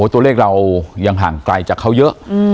ตัวเลขเรายังห่างไกลจากเขาเยอะ